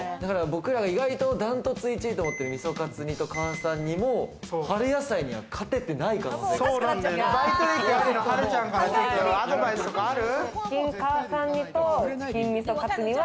僕らが意外とダントツ１位と思ってる味噌かつ煮と、かあさん煮も、春野菜には勝ててない可能性が。